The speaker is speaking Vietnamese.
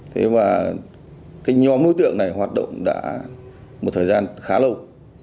thế và cái nhóm đối tượng này hoạt động đã một thời gian khá lâu